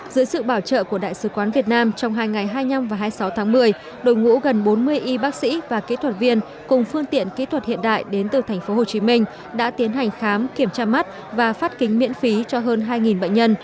dưới sự bảo trợ của đại sứ quán việt nam trong hai ngày hai mươi năm và hai mươi sáu tháng một mươi đội ngũ gần bốn mươi y bác sĩ và kỹ thuật viên cùng phương tiện kỹ thuật hiện đại đến từ tp hcm đã tiến hành khám kiểm tra mắt và phát kính miễn phí cho hơn hai bệnh nhân